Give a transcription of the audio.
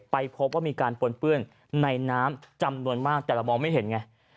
ไปพบว่ามีการปนเปื้อนในน้ำจำนวนมากแต่เรามองไม่เห็นไง